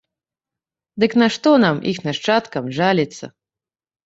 Дык на што нам, іх нашчадкам, жаліцца?